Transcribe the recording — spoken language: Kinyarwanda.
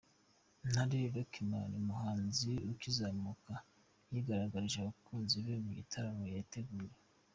Ntare Luckman umuhanzi ukizamuka yigaragarije abakunzi be mu gitaramo yateguye.